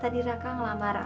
tadi raka ngelambar aku